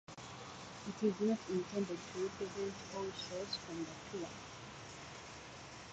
It is not intended to represent all shows from the tour.